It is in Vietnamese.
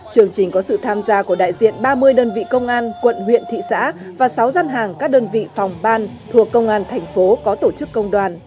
chương trình có sự tham gia của đại diện ba mươi đơn vị công an quận huyện thị xã và sáu dân hàng các đơn vị phòng ban thuộc công an thành phố có tổ chức công đoàn